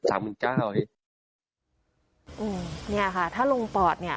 สามหมื่นเจ้าไออืมเนี่ยค่ะถ้าลงปอดเนี่ย